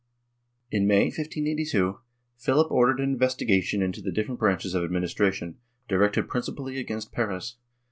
In May, 1582, Philip ordered an investigation into the different branches of administration, directed principally against Perez.